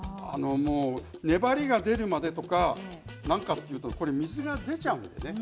粘りが出るまでとか何かというと水が出ちゃうのでね